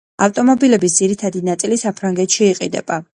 ავტომობილების ძირითადი ნაწილი საფრანგეთში იყიდება.